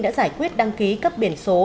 đã giải quyết đăng ký cấp biển số